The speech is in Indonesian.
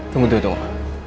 tunggu tunggu tunggu